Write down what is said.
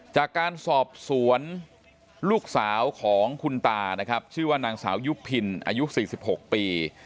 จากการสอบสวนลูกสาวของคุณตานะครับชื่อว่านางสาวยุพินอายุ๔๖ปี